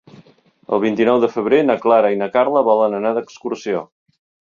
El vint-i-nou de febrer na Clara i na Carla volen anar d'excursió.